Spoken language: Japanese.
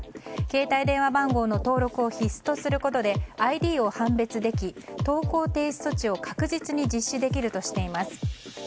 携帯電話番号の登録を必須とすることでＩＤを判別でき投稿停止措置を確実に実施できるとしています。